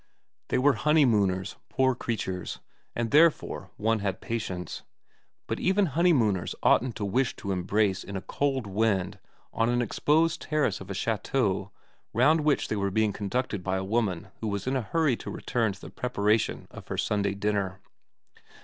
They were honeymooners, poor creatures, and there fore one had patience ; but even honeymooners oughtn't to wish to embrace in a cold wind on an exposed terrace of a chateau round which they were being conducted by a woman who was in a hurry to return to the prepara tion of her Sunday dinner.